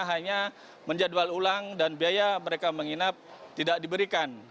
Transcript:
hanya menjadwal ulang dan biaya mereka menginap tidak diberikan